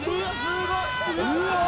すごい！